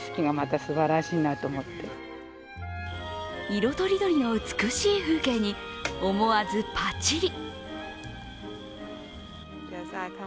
色とりどりの美しい風景に思わずパチリ。